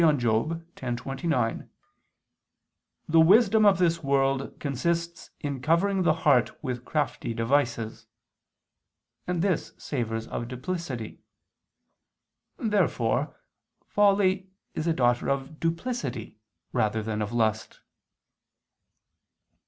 x, 29) "the wisdom of this world consists in covering the heart with crafty devices;" and this savors of duplicity. Therefore folly is a daughter of duplicity rather than of lust.